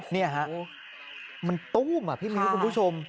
เนี่ยฮะมันตุ้มอ่ะพี่ผู้ชม